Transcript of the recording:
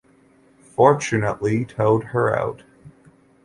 Fortunately, towed her out.